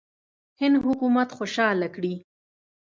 هند حکومت خوشاله کړي.